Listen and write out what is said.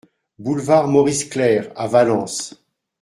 Boulevard Maurice Clerc à Valence